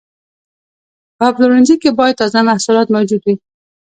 په پلورنځي کې باید تازه محصولات موجود وي.